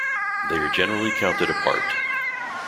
They are generally counted apart.